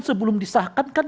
sebelum disahkan kan